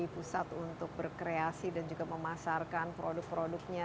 pusat untuk berkreasi dan juga memasarkan produk produknya